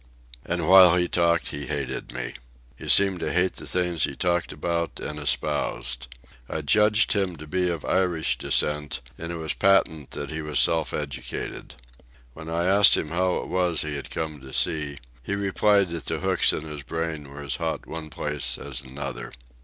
And while he talked he hated me. He seemed to hate the things he talked about and espoused. I judged him to be of Irish descent, and it was patent that he was self educated. When I asked him how it was he had come to sea, he replied that the hooks in his brain were as hot one place as another.